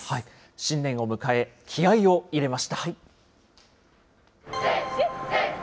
新年を迎え、気合いを入れました。